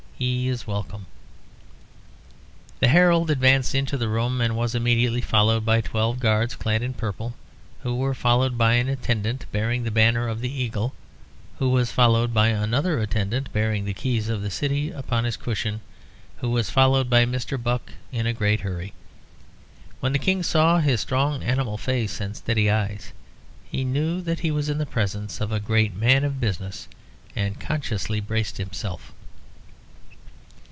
He is welcome." The herald advanced into the room, and was immediately followed by twelve guards clad in purple, who were followed by an attendant bearing the banner of the Eagle, who was followed by another attendant bearing the keys of the city upon a cushion, who was followed by Mr. Buck in a great hurry. When the King saw his strong animal face and steady eyes, he knew that he was in the presence of a great man of business, and consciously braced himself.